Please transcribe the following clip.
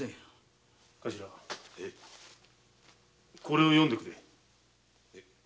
頭これを読んでくれ。